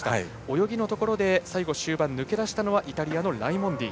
泳ぎのところで最後、終盤抜け出したのはイタリアのライモンディ。